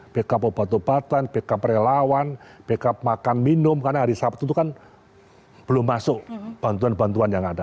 backup obat obatan backup relawan backup makan minum karena hari sabtu itu kan belum masuk bantuan bantuan yang ada